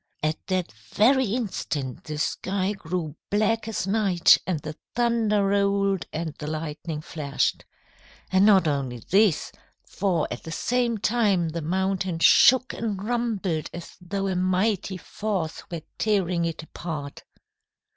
"At that very instant the sky grew black as night, the thunder rolled and the lightning flashed. And not only this, for at the same time the mountain shook and rumbled as though a mighty force were tearing it apart."